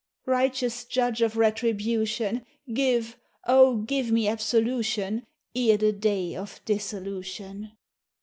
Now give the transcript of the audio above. Righteous Judge of retribution, Give, O give me absolution Ere the day of dissolution!